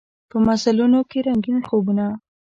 په مزلونوکې رنګین خوبونه